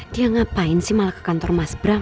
dia ngapain sih malah ke kantor mas bram